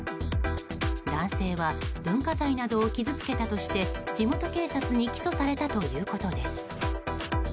男性は文化財などを傷つけたとして地元警察に起訴されたということです。